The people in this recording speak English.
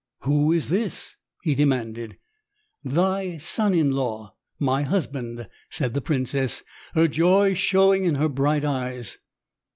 "Who is this?" he demanded. "Thy son in law, my husband," said the princess, her joy showing in her bright eyes.